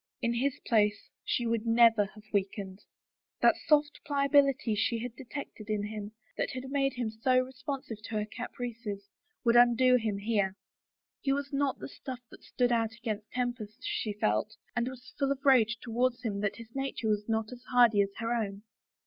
In his place she would never have weakened! That soft pli 19 THE FAVOR OF KINGS ability she had detected ip him, that had made him so responsive to her caprices, would undo him here. His was not the stuff that stood out against tempest', she felt, and was full of rage towards him that his nature was not as hardy as her own.